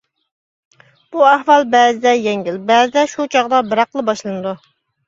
بۇ ئەھۋال بەزىدە يەڭگىل بەزىدە شۇ چاغدا بىراقلا باشلىنىدۇ.